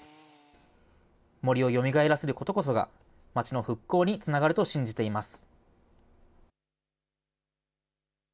森をよみがえらせることこそが、町の復興につながると信じています。